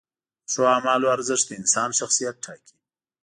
د ښو اعمالو ارزښت د انسان شخصیت ټاکي.